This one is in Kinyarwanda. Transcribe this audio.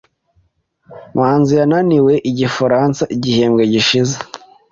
Manzi yananiwe igifaransa igihembwe gishize.